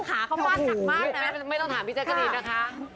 ขาเข้ามาจักรมากนะไม่ต้องถามพี่เจ๊กรี๊ดนะคะ